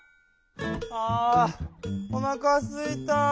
あおなかすいた。